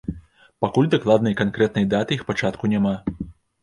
Пакуль дакладнай канкрэтнай даты іх пачатку няма.